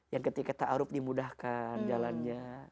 yang ketika ta'arub dimudahkan jalannya